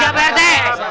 siap pak rete